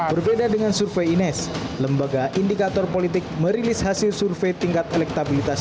berbeda dengan survei ines lembaga indikator politik merilis hasil survei tingkat elektabilitas